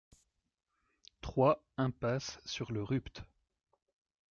trois impasse sur le Rupt